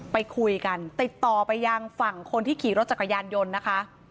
ไปคุยกันติดต่อไปยังฝั่งคนที่ขี่รถจักรยานยนต์นะคะ